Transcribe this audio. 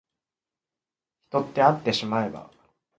人ってあってしまえば